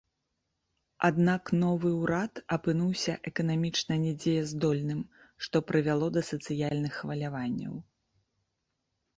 Аднак новы ўрад апынуўся эканамічна недзеяздольным, што прывяло да сацыяльных хваляванняў.